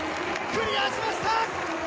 クリアしました！